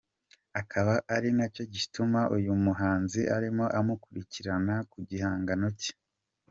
akaba ari nacyo gituma uyu muhanzi arimo amukurikirana ku gihangano cye.